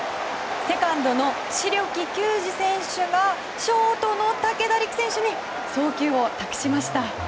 セカンドの白木球二選手がショートの竹田哩久選手に送球を託しました。